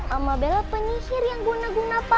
mama bella penyihir yang guna guna papa